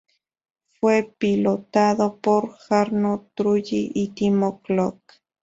Fue pilotado por Jarno Trulli y Timo Glock.